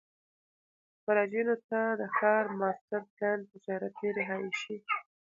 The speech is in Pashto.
مراجعینو ته د ښار ماسټر پلان، تجارتي، رهایشي،